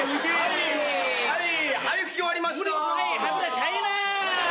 はい。